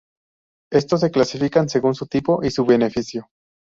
Estos se clasifican segun su tipo y su beneficio.